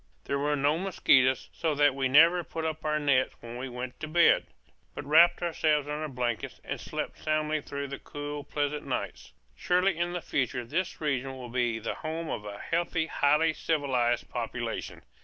There were no mosquitoes, so that we never put up our nets when we went to bed; but wrapped ourselves in our blankets and slept soundly through the cool, pleasant nights. Surely in the future this region will be the home of a healthy highly civilized population.